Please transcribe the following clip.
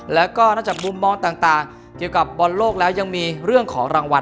แล้วก็นอกจากมุมมองต่างเกี่ยวกับบอลโลกแล้วยังมีเรื่องของรางวัล